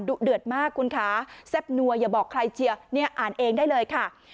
เดือดมากคุณคะแซ่บนัวอย่าบอกใครเชียร์เนี่ยอ่านเองได้เลยค่ะ